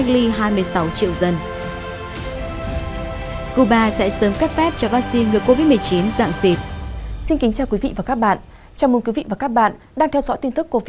cuba sẽ sớm cắt phép cho vaccine ngược covid một mươi chín dạng dịp